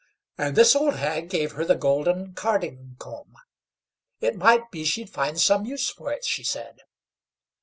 And this old hag gave her the golden carding comb; it might be she'd find some use for it, she said.